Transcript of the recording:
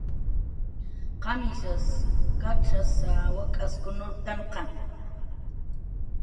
¿Qamishas kacxasa, wak'askun nurktnqa?